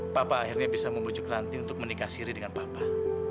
papa akhirnya bisa membujuk ranting untuk menikah siri dengan papa